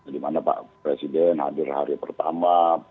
di mana pak presiden hadir hari pertama